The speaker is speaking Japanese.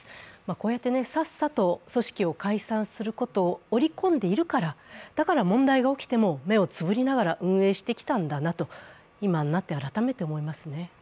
こうやってさっさと組織を解散することを織り込んでいるから、だから問題が起きても、目をつぶりながら運営してきたんだなと今になって改めて思いますね。